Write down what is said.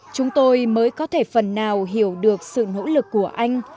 chúng tôi mới có thể phần nào hiểu được sự nỗ lực của anh